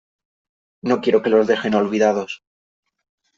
No quiero que los dejen olvidados .